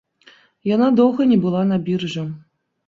Яна доўга не была на біржы.